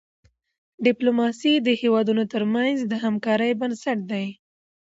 ډيپلوماسي د هېوادونو ترمنځ د همکاری بنسټ دی.